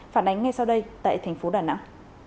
phản ánh ngay sau đây tại thành phố đà nẵng